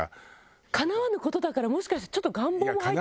かなわぬ事だからもしかしてちょっと願望も入ってる？